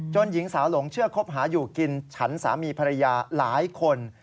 หญิงสาวหลงเชื่อคบหาอยู่กินฉันสามีภรรยาหลายคน